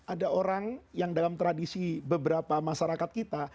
ada orang yang dalam tradisi beberapa masyarakat kita